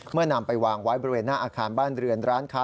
นำไปวางไว้บริเวณหน้าอาคารบ้านเรือนร้านค้า